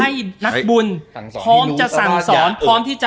ให้นักบุญพร้อมจะสั่งสอนพร้อมที่จะ